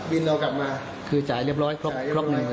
เรากลับมาคือจ่ายเรียบร้อยครบเลย